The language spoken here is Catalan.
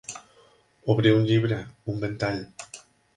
Obrir un llibre, un ventall.